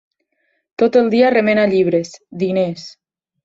Tot el dia remena llibres, diners.